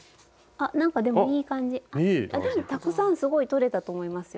でもたくさんすごいとれたと思いますよ。